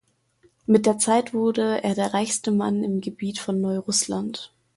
Mit der Zeit wurde er der reichste Mann im Gebiet von Neurussland.